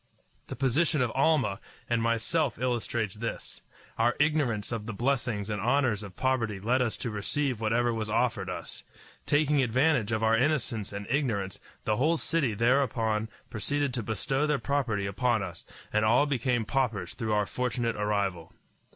The position of Almah and myself illustrates this. Our ignorance of the blessings and honors of poverty led us to receive whatever was offered us. Taking advantage of our innocence and ignorance, the whole city thereupon proceeded to bestow their property upon us, and all became paupers through our fortunate arrival.